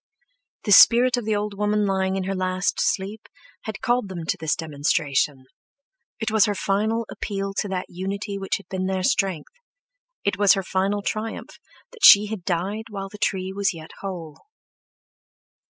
The spirit of the old woman lying in her last sleep had called them to this demonstration. It was her final appeal to that unity which had been their strength—it was her final triumph that she had died while the tree was yet whole.